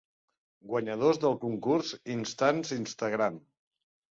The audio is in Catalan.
Guanyadors del concurs Instants Instagram.